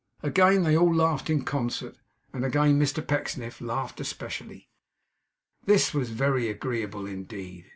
Again they all laughed in concert; and again Mr Pecksniff laughed especially. This was very agreeable indeed.